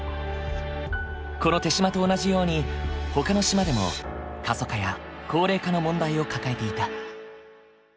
この豊島と同じようにほかの島でも過疎化や高齢化の問題を抱えていた。